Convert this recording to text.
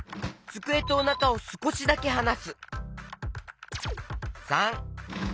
「つくえとおなかをすこしだけはなす」！